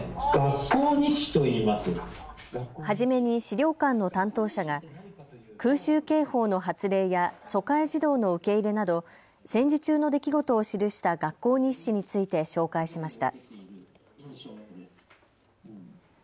初めに資料館の担当者が空襲警報の発令や疎開児童の受け入れなど戦時中の出来事を記した学校日誌について紹介しました。